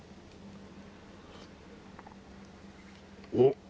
おっ！